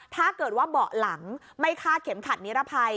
ถ้าเกิดว่าเบาะหลังไม่คาดเข็มขัดนิรภัย